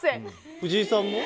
藤井さんも？